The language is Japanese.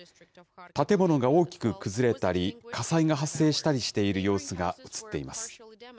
建物が大きく崩れたり、火災が発生したりしている様子が映っています。